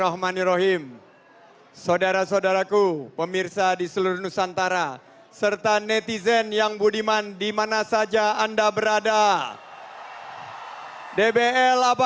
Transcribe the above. kepo itu adalah kreatif rasional dan sistematis